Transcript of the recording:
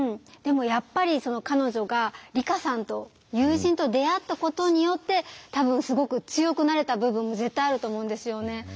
でもやっぱり彼女が利華さんと友人と出会ったことによって多分すごく強くなれた部分が絶対あると思うんですよね。